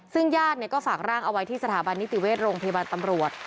ซึ่งญาติก็ฝากร่างเอาไว้ที่สถาบันนิติเวชโรงพยาบาลตำรวจ